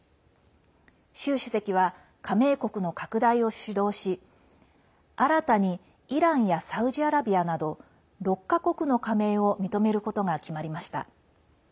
習主席は加盟国の拡大を主導し新たにイランやサウジアラビアなど６か国の加盟を認めることが決まりました。